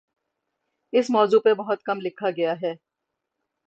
اس موضوع پر بہت کم لکھا گیا ہے